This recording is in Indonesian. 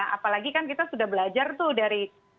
apalagi kan kita sudah belajar tuh dari